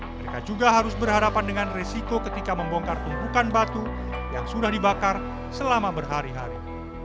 mereka juga harus berhadapan dengan resiko ketika membongkar tumpukan batu yang sudah dibakar selama berhari hari